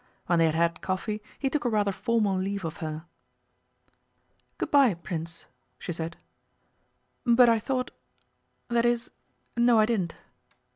When they had had coffee he took a rather formal leave of her. 'Good bye, Prince,' she said, 'but I thought that is, no I didn't.